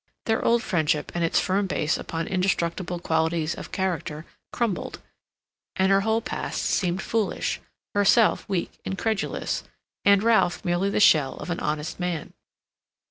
Their old friendship and its firm base upon indestructible qualities of character crumbled, and her whole past seemed foolish, herself weak and credulous, and Ralph merely the shell of an honest man.